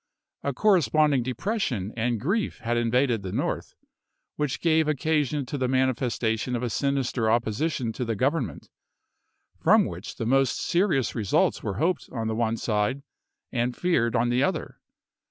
A corresponding depression and grief had invaded the North, which gave occa sion to the manifestation of a sinister opposition to the Government, from which the most serious results were hoped on the one side and feared on the other.